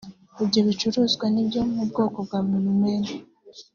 Ibyo bicuruzwa ni ibyo mu bwoko bwa Milumel